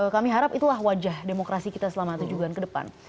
kami harap itulah wajah demokrasi kita selama tujuh bulan ke depan